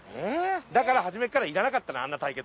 からはじめっからいらなかったのあんな対決。